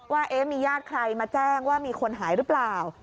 ว่ามีญาติใครมาแจ้งว่ามีคนหายหรือเปล่า